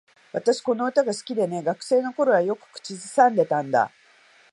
私、この歌が好きでね。学生の頃はよく口ずさんでたんだ。